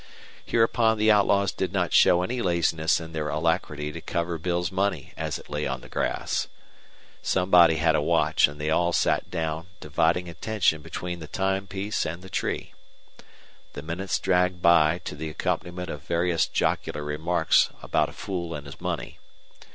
Hereupon the outlaws did not show any laziness in their alacrity to cover Bill's money as it lay on the grass. Somebody had a watch, and they all sat down, dividing attention between the timepiece and the tree. The minutes dragged by to the accompaniment of various jocular remarks anent a fool and his money.